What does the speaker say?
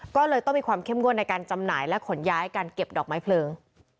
ก็เลยต้องมีความเข้มงวดในการจำหน่ายและขนย้ายการเก็บดอกไม้เพลิง